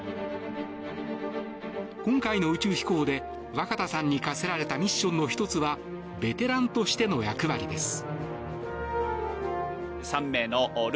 今回の宇宙飛行で若田さんに課せられたミッションの１つはベテランとしての役割です。